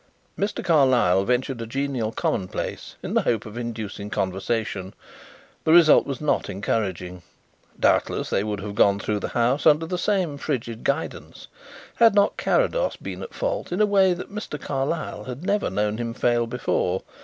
Mr. Carlyle ventured a genial commonplace in the hope of inducing conversation. The result was not encouraging. Doubtless they would have gone through the house under the same frigid guidance had not Carrados been at fault in a way that Mr. Carlyle had never known him fail before.